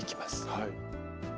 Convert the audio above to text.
はい。